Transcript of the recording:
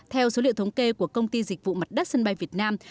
theo số liệu thống kê của công ty dịch vụ mặt đất sân bay việt nam